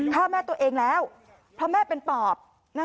ฆ่าแม่ตัวเองแล้วเพราะแม่เป็นปอบ